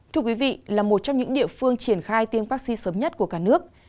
thưa quý vị là một trong những địa phương triển khai tiêm vaccine sớm nhất của cả nước